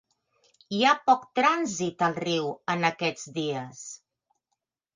Hi ha poc trànsit al riu en aquests dies.